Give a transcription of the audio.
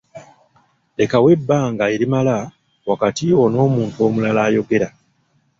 Lekawo ebbanga erimala wakati wo n’omuntu omulala ayogera.